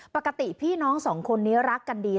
พี่น้องสองคนนี้รักกันดี